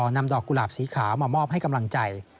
นำดอกกุหลาบสีขาวมามอบให้กำลังใจ